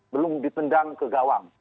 belum dipendang ke gawang